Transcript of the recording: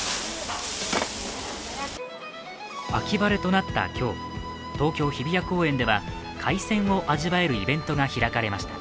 秋晴れとなった今日、東京・日比谷公園では海鮮を味わえるイベントが開かれました。